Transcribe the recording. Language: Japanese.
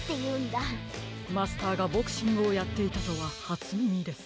マスターがボクシングをやっていたとははつみみです。